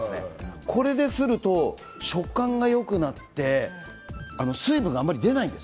これで、すると食感がよくなって水分があまり出ないんです。